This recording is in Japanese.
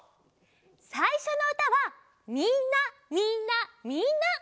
さいしょのうたは「みんなみんなみんな」。